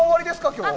今日は。